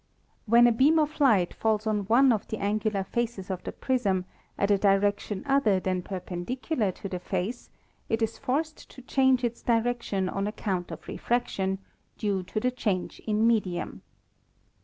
When a beam of light falls on one of the angular faces of the prism at a direction other than perpendicular to the face it is forced to change its direction on account of refraction, due to the change in medium.